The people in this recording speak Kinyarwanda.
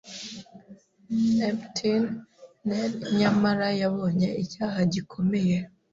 Neptune ne'er nyamara yabonye icyaha gikomeye